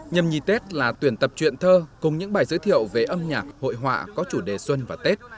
nhâm nhi tết là tuyển tập truyện thơ cùng những bài giới thiệu về âm nhạc hội họa có chủ đề xuân và tết